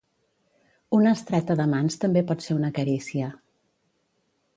Una estreta de mans també pot ser una carícia.